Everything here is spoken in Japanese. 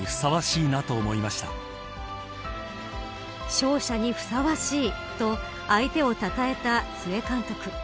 勝者にふさわしいと相手をたたえた須江監督。